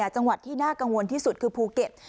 จังหวัดที่น่ากังวลที่สุดคือภูเก็ต